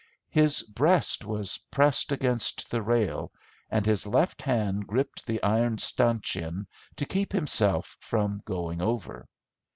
His breast was pressed against the rail and his left hand gripped the iron stanchion to keep himself from going over.